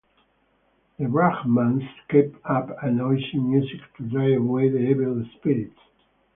The Brahmans keep up a noisy music to drive away the evil spirits.